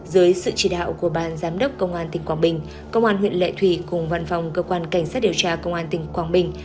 dưới sự chỉ đạo của ban giám đốc công an tỉnh quảng bình công an huyện lệ thủy cùng văn phòng cơ quan cảnh sát điều tra công an tỉnh quảng bình